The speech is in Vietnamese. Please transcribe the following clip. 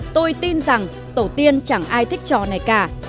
tôi tin rằng tổ tiên chẳng ai thích trò này cả